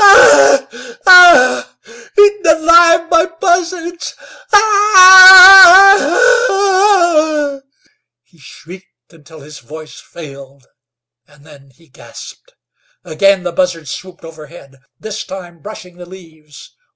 Ah h! Ah h! Eaten alive by buzzards! Ah h! Ah h! Ah h!" He shrieked until his voice failed, and then he gasped. Again the buzzards swooped overhead, this time brushing the leaves.